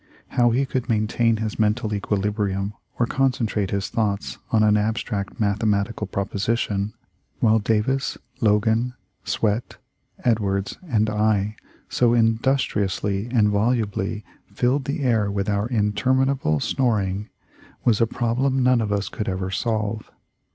How he could main tain his mental equilibrium or concentrate his thoughts on an abstract mathematical proposition, THE LIFE OF LINCOLN. 309 while Davis, Logan, Swett, Edwards, and I so in dustriously and volubly filled the air with our interminable snoring was a problem none of us could ever solve.